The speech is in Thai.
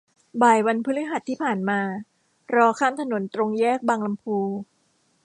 บ่ายวันพฤหัสที่ผ่านมา รอข้ามถนนตรงแยกบางลำพู